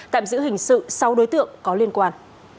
tạm giữ hình sự sáu đối tượng có liên quan